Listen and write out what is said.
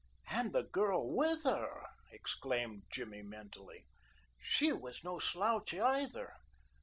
"And the girl with her!" exclaimed Jimmy mentally. "She was no slouch either.